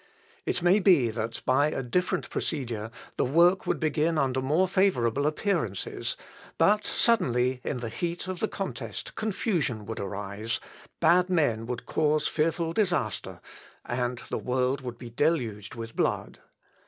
It may be that, by a different procedure, the work would begin under more favourable appearances, but suddenly in the heat of the contest confusion would arise, bad men would cause fearful disaster, and the world would be deluged with blood.